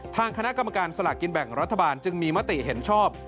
ทางคณะกรรมการสลากกินแบ่งรัฐบาลจึงมีมติเห็นชอบ